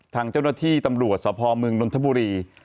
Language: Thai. ทางเจ้าหน้าที่ตำรวจสพเมืองนนทบุรี